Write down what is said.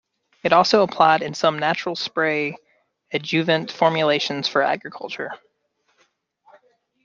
It is also applied in some "natural" spray adjuvant formulations for agriculture.